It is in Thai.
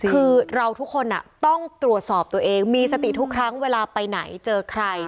คือเราทุกคนต้องตรวจสอบตัวเองมีสติทุกครั้งเวลาไปไหนเจอใคร